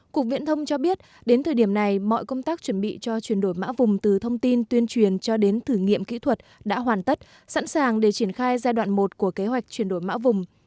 cục viễn thông cho biết đến thời điểm này mọi công tác chuẩn bị cho chuyển đổi mã vùng từ thông tin tuyên truyền cho đến thử nghiệm kỹ thuật đã hoàn tất sẵn sàng để triển khai giai đoạn một của kế hoạch chuyển đổi mã vùng